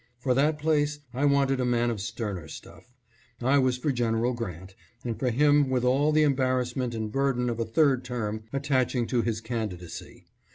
For that place I wanted a man of sterner stuff. I was for General Grant, and for him with all the embarrassment and burden of a " third term" attaching to his candidacy.